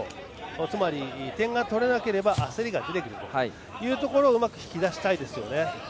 つまり、点が取れなければ焦りが出てくるというところをうまく引き出したいですよね。